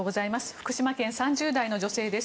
福島県、３０代の女性です。